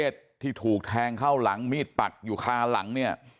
ที่ถูกแทงเข้าหลังมีดปักอยู่คาหลังเนี่ย